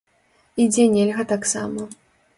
І дзе нельга таксама.